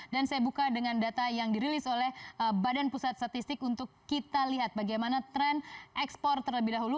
dan saya buka dengan data yang dirilis oleh badan pusat statistik untuk kita lihat bagaimana tren ekspor terlebih dahulu